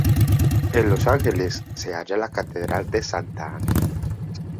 En Los Ángeles se halla la concatedral de Santa Ana.